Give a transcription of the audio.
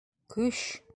Кө-ө-ш!